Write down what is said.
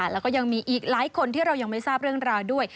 แล้วก็ยังมีอีกหลายคนที่เรายังไม่ทราบเรื่องราวด้วย